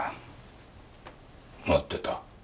待ってた？